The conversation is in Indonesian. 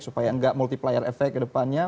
supaya enggak multiplier effect ke depannya